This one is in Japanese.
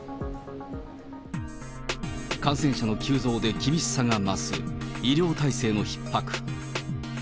感染者の急増で厳しさが増す医療体制のひっ迫。